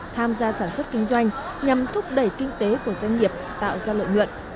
tham gia sản xuất kinh doanh nhằm thúc đẩy kinh tế của doanh nghiệp tạo ra lợi nhuận